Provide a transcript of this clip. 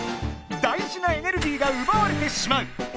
だいじなエネルギーがうばわれてしまう！